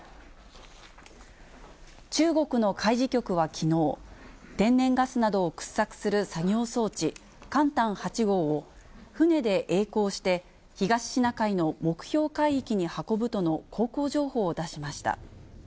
中国の海事局はきのう、天然ガスなどを掘削する作業装置、勘探８号を船でえい航して、東シナ海の目標海域に運ぶとの航行情報を出しました。